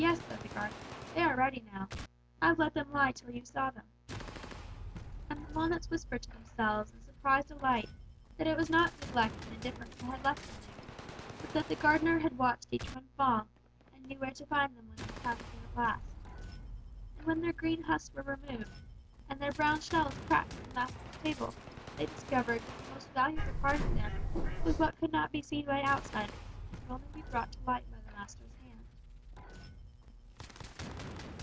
"'Yes,' said the gardener, 'they are ready now. I've let them lie till you saw them.' "And the walnuts whispered to themselves in surprised delight that it was not neglect and indifference had left them there, but that the gardener had watched each one fall, and knew where to find them when their time came at last. "And when their green husks were removed, and their brown shells cracked at the master's table, they discovered that the most valuable part of them was what could not be seen by outsiders, and could only be brought to light by the master's hand."